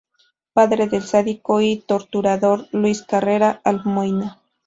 Padre del sádico y torturador Luis Carrera Almoina.